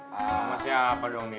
masih apa dong nih